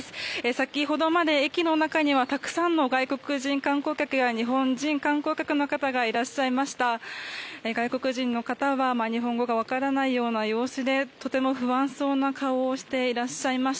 先ほどまで駅の中にはたくさんの外国人観光客や日本人観光客の方がいらっしゃいました。